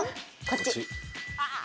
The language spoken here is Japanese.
こっち。